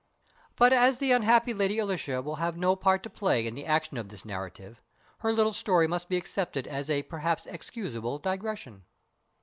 But as the unhappy Lady Alicia will have no part to play in the action of this narrative, her little story must be accepted as a perhaps excusable digression.